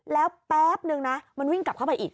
แล้วแป๊บนึงนะมันวิ่งกลับเข้าไปอีก